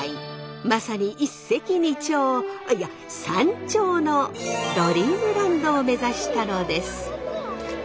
まさに一石二鳥いや三鳥のドリームランドを目指したのです。